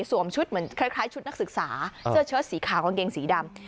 ชุดเหมือนคล้ายชุดนักศึกษาเสื้อเชิดสีขาวกางเกงสีดำ